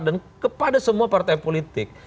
dan kepada semua partai politik